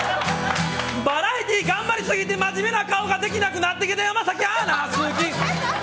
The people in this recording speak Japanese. バラエティー頑張りすぎて真面目な顔ができなくなってきた山崎アナ好き。